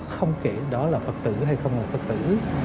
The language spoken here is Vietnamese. không kể đó là phật tử hay không là phật tử